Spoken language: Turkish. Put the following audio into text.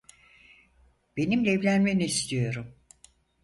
Benimle evlenmeni istiyorum.